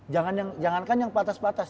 jangan yang jangankan yang patas patas